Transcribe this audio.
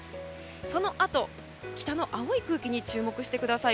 そのあと北の青い空気に注目してください。